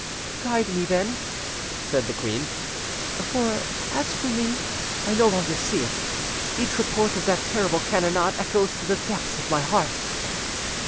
"Guide me, then," the queen said; "for, as for me, I no longer see it. Each report of that terrible cannonade echoes to the depths of my heart."